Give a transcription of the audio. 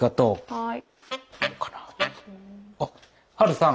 はい。